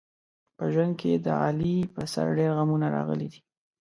په ژوند کې د علي په سر ډېر غمونه راغلي دي.